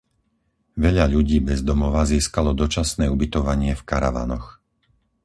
Veľa ľudí bez domova získalo dočasné ubytovanie v karavanoch.